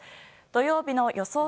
土曜日の予想